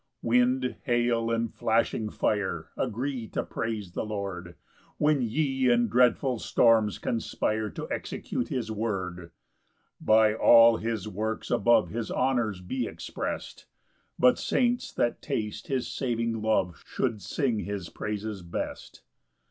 5 Wind, hail, and flashing fire, Agree to praise the Lord, When ye in dreadful storms conspire To execute his word. 6 By all his works above His honours be exprest; But saints that taste his saving love Should sing his praises best.